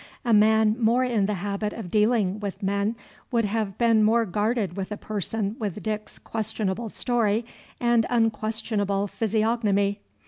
A man more in the habit of dealing with men would have been more guarded with a person with Dick's questionable story and unquestionable physiognomy.